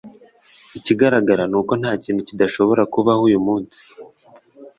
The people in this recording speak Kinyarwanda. Ikigaragara ni uko nta kintu kidashobora kubaho uyu munsi